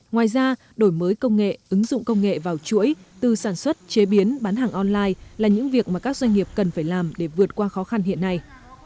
ngoài ra đổi mới công nghệ ứng dụng công nghệ vào chuỗi từ sản xuất chế biến bán hàng online là những việc mà các doanh nghiệp cần phải làm để vượt qua khó khăn hiện nay